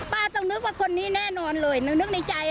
ต้องนึกว่าคนนี้แน่นอนเลยหนูนึกในใจ